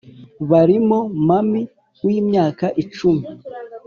barimo mami w’imyaka icumi